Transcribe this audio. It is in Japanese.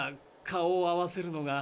顔を合わせるのが。